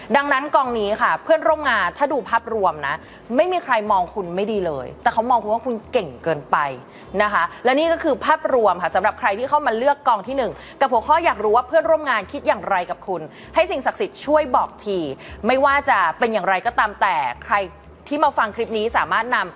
ดังนั้นกองนี้ค่ะเพื่อนร่วมงานถ้าดูภาพรวมนะไม่มีใครมองคุณไม่ดีเลยแต่เขามองคุณว่าคุณเก่งเกินไปนะคะและนี่ก็คือภาพรวมค่ะสำหรับใครที่เข้ามาเลือกกองที่หนึ่งกับหัวข้ออยากรู้ว่าเพื่อนร่วมงานคิดอย่างไรกับคุณให้สิ่งศักดิ์สิทธิ์ช่วยบอกทีไม่ว่าจะเป็นอย่างไรก็ตามแต่ใครที่มาฟังคลิปนี้สามารถนำ